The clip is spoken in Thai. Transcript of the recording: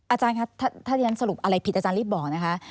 อาจารย์คะถ้าที่ฉันสรุปอะไรผิดอาจารย์รีบบอกนะคะ